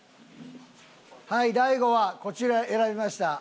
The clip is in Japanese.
はい大悟はこちら選びました。